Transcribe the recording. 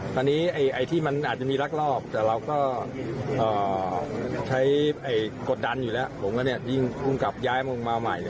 ตอนนี้ไอไอที่มันอาจจะมีลักลอบแต่เราก็เอ่อใช้ไอกดดันอยู่แล้วผมก็เนี่ยยิ่งกลุ่มกลับย้ายมองมาใหม่